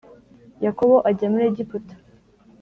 Yakobo ajya muri Egiputa